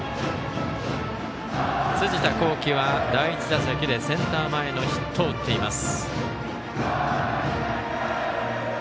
辻田剛暉は第１打席でセンター前ヒットを打っています